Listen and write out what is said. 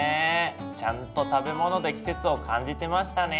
ちゃんと食べ物で季節を感じてましたね。